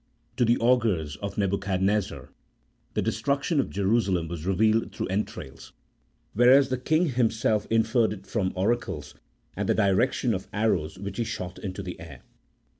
To the augurs of Nebuchadnezzar the destruction of Jerusalem was revealed through entrails, whereas the king himself inferred it from oracles and the direction of arrows which he shot into the air.